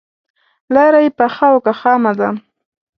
لاره یې پخه او که خامه ده.